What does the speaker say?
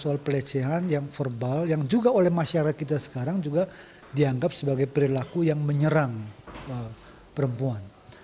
soal pelecehan yang verbal yang juga oleh masyarakat kita sekarang juga dianggap sebagai perilaku yang menyerang perempuan